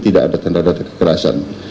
tidak ada tanda data kekerasan